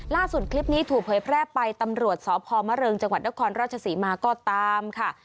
ล่าสุดคลิปนี้ถูกเผยแพร่ไปตำรวจสพมะเริงจังหวัดนครราชศรีมาก็ตามค่ะ